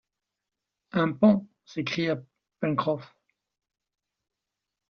Un pont! s’écria Pencroff !